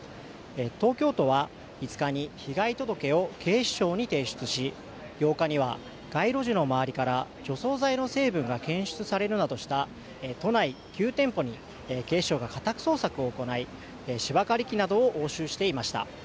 東京都は５日に被害届を警視庁に提出し８日には街路樹の周りから除草剤の成分が検出されるなどした都内９店舗に警視庁が家宅捜索を行い芝刈り機などを押収していました。